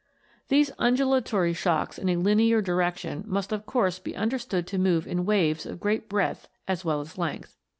These undulatory shocks in a linear direction must of course be understood to move in waves of great breadth as well as length.